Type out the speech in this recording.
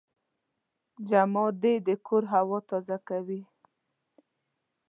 جمادې د کور هوا تازه کوي.